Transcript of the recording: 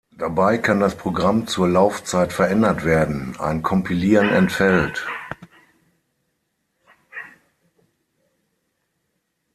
Dabei kann das Programm zur Laufzeit verändert werden, ein Kompilieren entfällt.